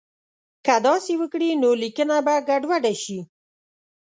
که داسې وکړي نو لیکنه به ګډوډه شي.